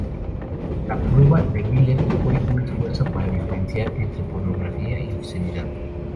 La prueba de Miller fue un esfuerzo para diferenciar entre pornografía y 'obscenidad'.